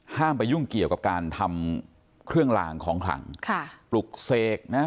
ไปยุ่งเกี่ยวกับการทำเครื่องลางของขลังค่ะปลุกเสกนะ